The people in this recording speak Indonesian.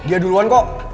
dia duluan kok